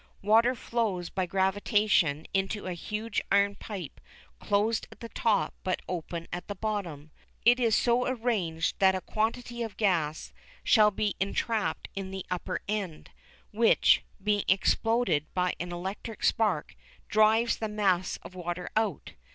Water flows by gravitation into a huge iron pipe closed at the top but open at the bottom. It is so arranged that a quantity of gas shall be entrapped in the upper end, which, being exploded by an electric spark, drives the mass of water out.